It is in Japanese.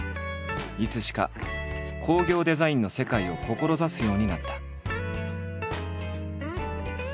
いつしか工業デザインの世界を志すようになった。